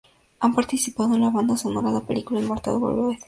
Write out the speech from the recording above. Han participado en la banda sonora de película Inmortal Beloved.